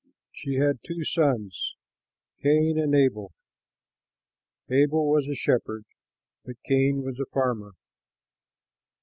She had two sons, Cain and Abel. Abel was a shepherd, but Cain was a farmer.